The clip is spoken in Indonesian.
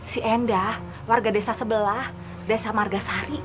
si endah warga desa sebelah desa margasari